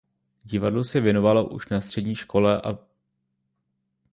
Divadlu se věnovala už na střední škole a ani při studiu žurnalistiky toho nenechala.